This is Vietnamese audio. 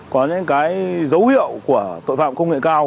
có những cái dấu hiệu của tội phạm công nghệ cao